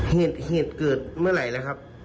เหตุเกิดเมื่อไหลล่ะครับ